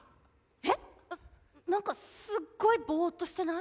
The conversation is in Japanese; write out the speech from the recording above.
えっなんかすっごいボーっとしてない？